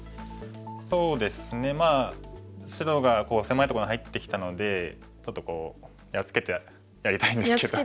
そうですねまあ白が狭いとこに入ってきたのでちょっとやっつけてやりたいんですけど。